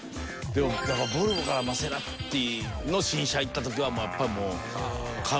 だからボルボからマセラティの新車いった時はやっぱもう。